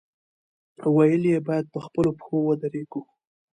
ویل یې، باید په خپلو پښو ودرېږو.